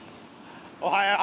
おはよう。